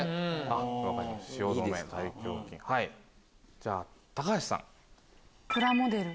じゃあ橋さん。